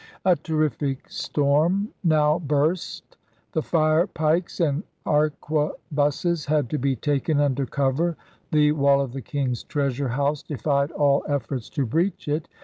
A terrific storm now burst. The fire pikes and arquebuses had to be taken under cover. The wall of the King's Treasure House defied all efforts to breach it.